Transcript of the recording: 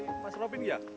ini mas robin ya